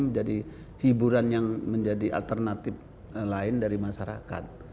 menjadi hiburan yang menjadi alternatif lain dari masyarakat